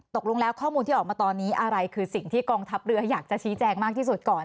ตกลงแล้วข้อมูลที่ออกมาตอนนี้อะไรคือสิ่งที่กองทัพเรืออยากจะชี้แจงมากที่สุดก่อน